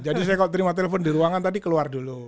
jadi saya kalau terima telepon di ruangan tadi keluar dulu